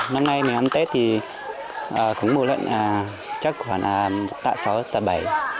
năm nay mình ăn tết thì cũng mùa lận chắc khoảng tạ sáu tạ bảy